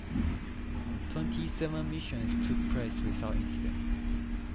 Twenty-seven missions took place without incident.